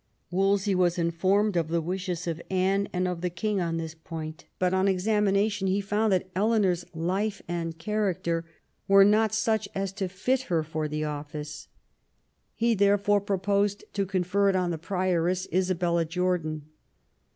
Wolsey was informed of the wishes of Anne and of the king on this point ;. but on examination found that Eleanor's life and character were not such as to fit her for the office. He therefore proposed to confer it on the prioress, Isabella Jordan.